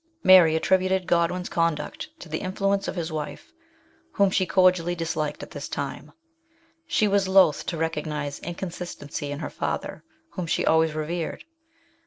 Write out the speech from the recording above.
Mary attributed Godwin's 94 MRS. SHELLEY. conduct to the influence of his wife, whom she cordi ally disliked at this time. She Avas loth to recognise inconsistency in her father, whom she always revered.